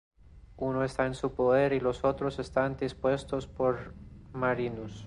Uno está en su poder, y los otros están dispersados por Marinus.